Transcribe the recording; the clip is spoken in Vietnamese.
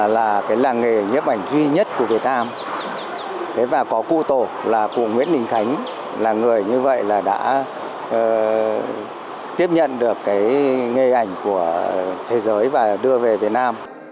làng nghề nhếp ảnh duy nhất của việt nam và có cụ tổ là cụ nguyễn ninh khánh là người như vậy đã tiếp nhận được nghề ảnh của thế giới và đưa về việt nam